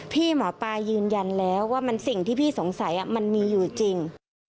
พี่หมอปลายืนยันแล้วว่ามันสิ่งที่พี่สงสัยมันมีอยู่จริง